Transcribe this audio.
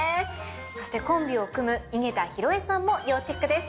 そしてコンビを組む井桁弘恵さんも要チェックです。